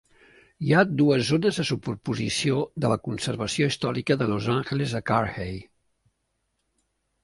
Hi ha dues zones de superposició de la conservació històrica de Los Angeles a Carthay.